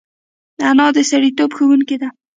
انا د سړیتوب ښوونکې ده